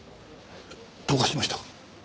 どうかしました？